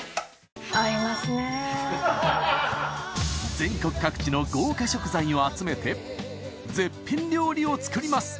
全国各地の豪華食材を集めて絶品料理を作ります。